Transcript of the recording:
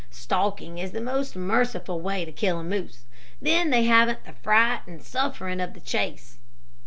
"Stalking is the most merciful way to kill a moose. Then they haven't the fright and suffering of the chase."